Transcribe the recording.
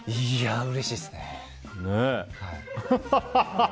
うれしいですね。